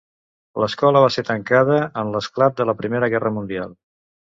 L'escola va ser tancada en l'esclat de la Primera Guerra Mundial.